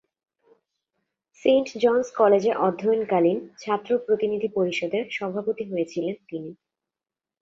Saint John's কলেজে অধ্যয়নকালীন ছাত্র প্রতিনিধি পরিষদের সভাপতি হয়েছিলেন তিনি।